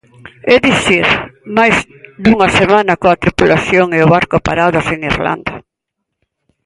É dicir, máis dunha semana coa tripulación e o barco parados en Irlanda.